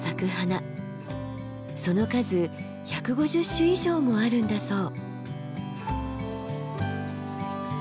その数１５０種以上もあるんだそう。